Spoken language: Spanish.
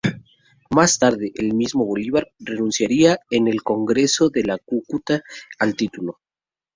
Más tarde el mismo Bolívar renunciaría en el Congreso de Cúcuta al título.